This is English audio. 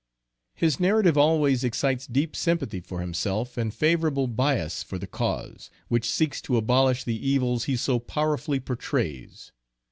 His narrative always excites deep sympathy for himself and favorable bias for the cause, which seeks to abolish the evils he so powerfully portrays.